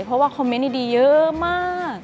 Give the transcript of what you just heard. เพราะว่าคอมเมนต์ดีเยอะมาก